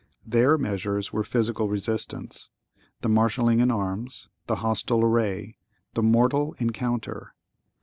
(¶ 5) Their measures were physical resistance—the marshalling in arms—the hostile array—the mortal encounter.